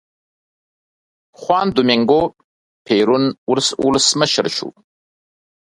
خوان دومینګو پېرون ولسمشر شو.